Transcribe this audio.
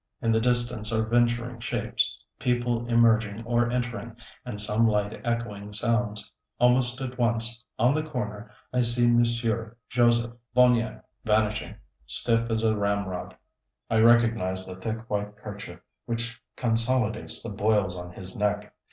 In the distance are venturing shapes, people emerging or entering, and some light echoing sounds. Almost at once, on the corner, I see Monsieur Joseph Bonéas vanishing, stiff as a ramrod. I recognized the thick white kerchief, which consolidates the boils on his neck.